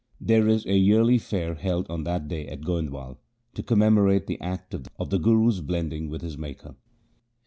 There is a yearly fair held on that date at Goindwal to commemorate the act of the Guru's blending with his Maker.